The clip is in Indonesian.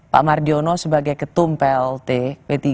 pak mardiono sebagai ketum plt p tiga